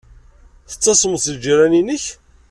Tettasmeḍ seg ljiran-nnek?